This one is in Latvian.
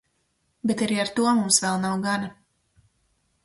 Bet arī ar to mums vēl nav gana.